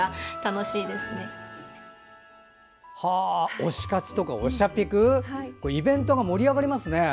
推し活とか、おしゃピクイベントが盛り上がりますね。